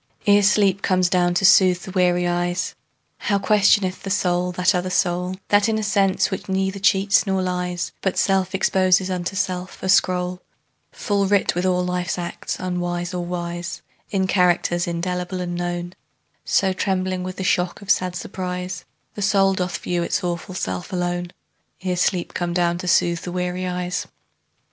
Ere sleep comes down to soothe the weary eyes, How questioneth the soul that other soul, The inner sense which neither cheats nor lies, But self exposes unto self, a scroll Full writ with all life's acts unwise or wise, In characters indelible and known; So, trembling with the shock of sad surprise, The soul doth view its awful self alone, Ere sleep comes down to soothe the weary eyes.